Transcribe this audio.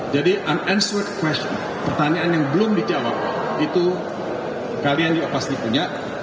jadi unanswered question pertanyaan yang belum dijawab itu kalian juga pasti punya